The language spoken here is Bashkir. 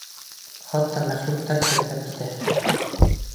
Хатта мәхлүктәр тертләп китә.